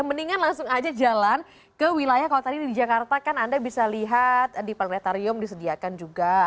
mendingan langsung aja jalan ke wilayah kalau tadi di jakarta kan anda bisa lihat di planetarium disediakan juga